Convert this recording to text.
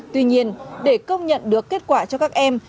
tuy nhiên để công nhận được kết quả cho các em